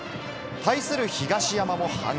対する東山も反撃。